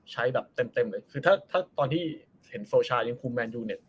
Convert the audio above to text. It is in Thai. ใช้แบบเต็มเลยหรือถ้าถ้าตอนที่เห็นโซชายังคมแมนอยู่